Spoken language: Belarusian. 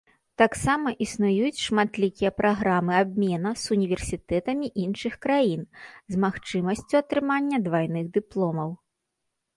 Таксама існуюць шматлікія праграмы абмена с універсітэтамі іншых краін з магчымасцю атрымання двайных дыпломаў.